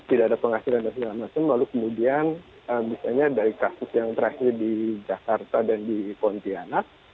tidak ada penghasilan dan segala macam lalu kemudian misalnya dari kasus yang terakhir di jakarta dan di pontianak